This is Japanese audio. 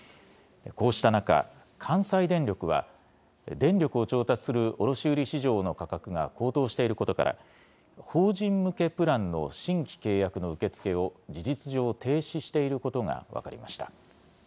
こうした中、関西電力は、電力を調達する卸売市場の価格が高騰していることから、法人向けプランの新規契約の受け付けを、事実上、停止していることが分かりました。